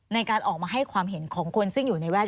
ในการออกมาให้ความเห็นของคนซึ่งอยู่ในแวดวง